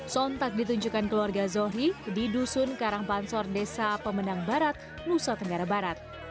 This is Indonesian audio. sontak ditunjukkan keluarga zohri di dusun karangpansor desa pemenang barat nusa tenggara barat